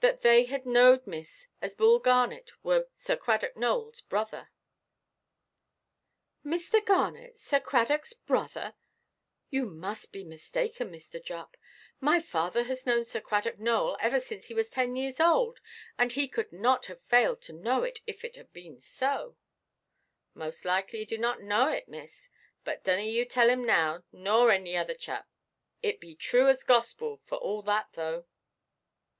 "That they had knowʼd, miss, as Bull Garnet were Sir Cradock Nowellʼs brother." "Mr. Garnet Sir Cradockʼs brother! You must be mistaken, Mr. Jupp. My father has known Sir Cradock Nowell ever since he was ten years old; and he could not have failed to know it, if it had been so." "Most like he do know it, miss. But dunna you tell him now, nor any other charp. It be true as gospel for all that, though."